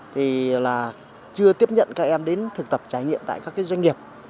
thì là chưa tiếp nhận các em đến thực tập trải nghiệm tại các doanh nghiệp